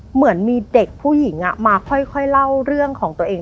เหมือนมีเด็กผู้หญิงมาค่อยเล่าเรื่องของตัวเอง